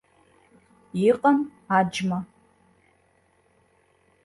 Иҟам аџьма!